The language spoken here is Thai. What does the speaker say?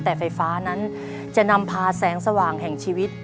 แต่ไฟฟ้านั้นจะนำพาแสงสว่างแห่งชีวิต